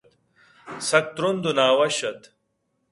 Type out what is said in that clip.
سکّ تُرٛند ءُ نہ وشّ اَت